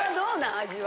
味は。